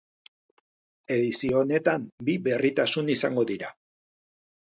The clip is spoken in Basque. Edizio honetan bi berritasun izango dira.